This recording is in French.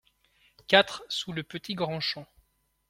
quatre sous Le Petit Grand Champ